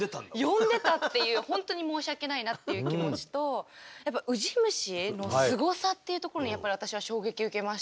呼んでたっていう本当に申し訳ないなっていう気持ちとウジ虫のすごさっていうところにやっぱり私は衝撃受けましたね。